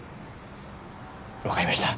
わかりました。